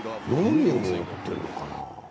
何をやっているのかな？